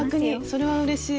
それはうれしい。